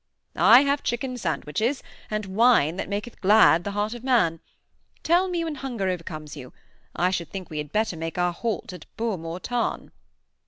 "I have chicken sandwiches, and wine that maketh glad the heart of man. Tell me when hunger overcomes you. I should think we had better make our halt at Burmoor Tarn."